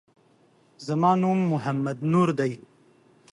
زما نوم محمد نور دی